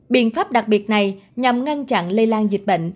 biện pháp đặc biệt này nhằm ngăn chặn lây lan dịch bệnh